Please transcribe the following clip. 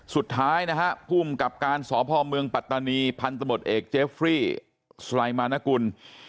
สุดท้ายนะฮะภูมิกับการสพเมืองปัตตานีพันธบทเอกเจฟรีสไรมานกุล